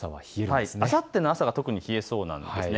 あさっての朝は特に冷えそうです。